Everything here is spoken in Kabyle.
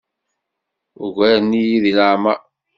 Ugaren-iyi deg leɛmeṛ.